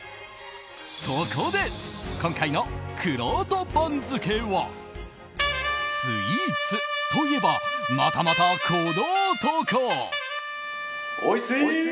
そこで、今回のくろうと番付はスイーツといえばまたまた、この男。